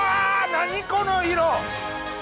何この色！え！